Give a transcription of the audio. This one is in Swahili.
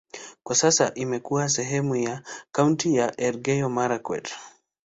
Kwa sasa imekuwa sehemu ya kaunti ya Elgeyo-Marakwet.